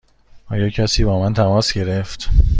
آیا کسی با من تماس گرفت؟